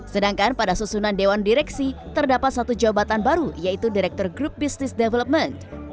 sedangkan pada susunan dewan direksi terdapat satu jabatan baru yaitu direktur grup business development